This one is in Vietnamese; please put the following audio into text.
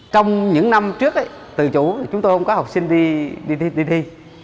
trong những năm trước tự chủ chúng tôi không có học sinh đi đi đi đi